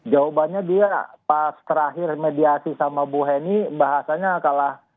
jawabannya dia pas terakhir mediasi sama bu heni bahasanya kalah